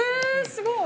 すごい！